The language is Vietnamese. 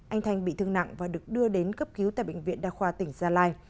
anh thanh bị thương nặng và được đưa đến cấp cứu tại bệnh viện đa khoa tỉnh gia lai